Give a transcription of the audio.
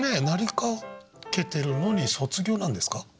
なりかけてるのに卒業なんですか？